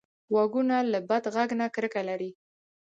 غوږونه له بد غږ نه کرکه لري